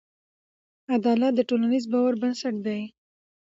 عدالت د ټولنیز باور بنسټ دی.